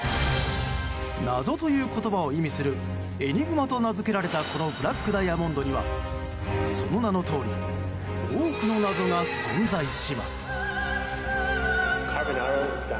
謎という言葉を意味するエニグマと名付けられたこのブラックダイヤモンドにはその名のとおり多くの謎が存在します。